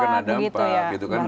terkena dampak gitu kan